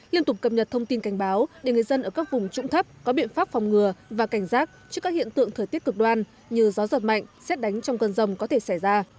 liên tục cập nhật thông tin cảnh báo để người dân ở các vùng trũng thấp có biện pháp phòng ngừa và cảnh giác trước các hiện tượng thời tiết cực đoan như gió giật mạnh xét đánh trong cơn rông có thể xảy ra